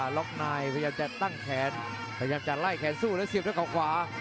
ล็อกนายพยายามจะตั้งแขนพยายามจะไล่แขนสู้แล้วเสียบด้วยเขาขวา